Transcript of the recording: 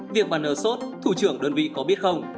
việc bn sốt thủ trưởng đơn vị có biết không